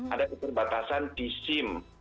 ada keterbatasan di sim